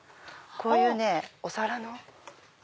こういうねお皿の。